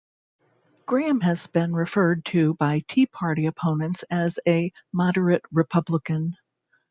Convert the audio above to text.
Graham has been referred to by Tea Party opponents as a "moderate Republican".